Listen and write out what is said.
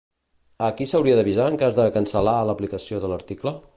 A qui s'hauria d'avisar en cas de cancel·lar l'aplicació de l'article?